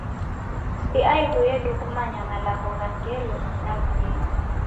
Si aighu yedu kumanya malagho gha ngelo na vimu.